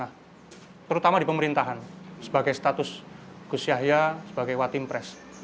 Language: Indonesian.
terutama di pemerintahan sebagai status gus yahya sebagai watim pres